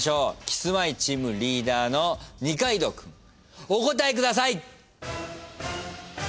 キスマイチームリーダーの二階堂君お答えください！